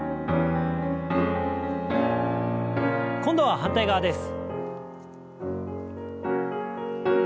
今度は反対側です。